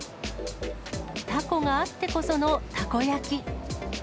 タコがあってこそのたこ焼き。